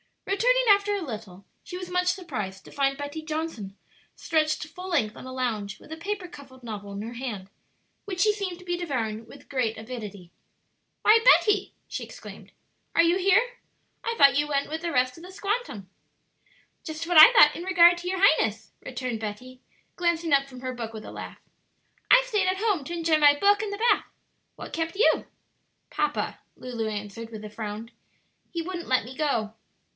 Returning after a little, she was much surprised to find Betty Johnson stretched full length on a lounge with a paper covered novel in her hand, which she seemed to be devouring with great avidity. "Why, Betty!" she exclaimed, "are you here? I thought you went with the rest to the 'squantum.'" "Just what I thought in regard to your highness," returned Betty, glancing up from her book with a laugh. "I stayed at home to enjoy my book and the bath. What kept you?" "Papa," answered Lulu with a frown; "he wouldn't let me go."